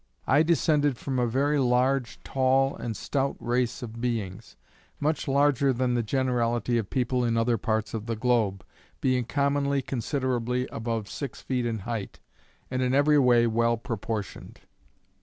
I descended from a very large, tall and stout race of beings, much larger than the generality of people in other parts of the globe, being commonly considerably above six feet in height, and in every way well proportioned.